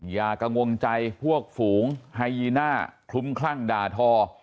อย่ากังวลใจพวกฝูงไฮยีน่าคลุ้มคลั่งด่าทอ